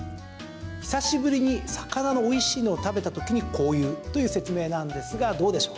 久しぶりに魚のおいしいのを食べた時にこういうという説明なんですがどうでしょう？